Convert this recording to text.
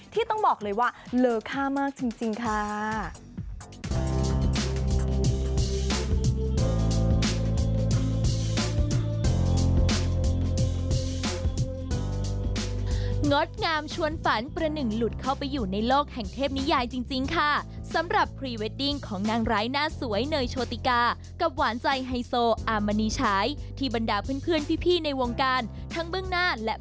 ที่ต้องบอกเลยว่าเลอค่ามากจริงค่ะ